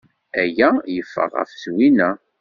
Aya yeffeɣ ɣef Zwina.